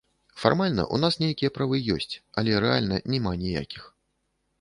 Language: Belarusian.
Фармальна ў нас нейкія правы ёсць, але рэальна няма ніякіх.